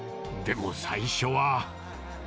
でも最初は。